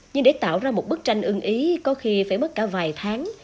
nhưng để tạo ra một bức tranh ưng ý có khi phải mất cả vài tháng